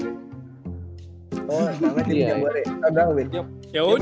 oh namanya tim jambore aduh bener